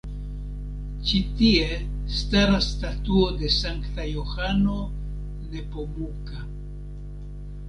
Ĉi tie staras statuo de Sankta Johano Nepomuka.